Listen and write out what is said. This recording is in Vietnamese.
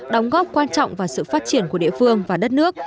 đóng góp quan trọng vào sự phát triển của địa phương và đất nước